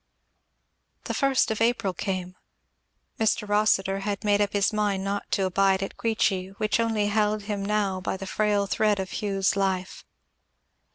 The first of April came. Mr. Rossitur had made up his mind not to abide at Queechy, which only held him now by the frail thread of Hugh's life.